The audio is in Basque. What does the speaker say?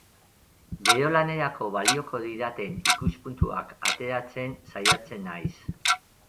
Gero lanerako balioko didaten ikuspuntuak ateratzen saiatzen naiz.